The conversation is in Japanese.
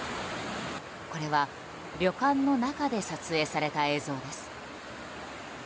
これは旅館の中で撮影された映像です。